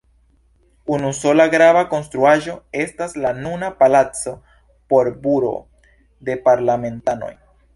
Unusola grava konstruaĵo estas la nuna palaco por buroo de parlamentanoj.